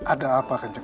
ada apa kanjeng sunan